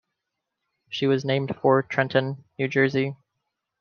She was named for Trenton, New Jersey.